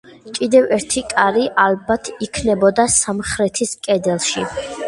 კიდევ ერთი კარი, ალბათ, იქნებოდა სამხრეთის კედელში.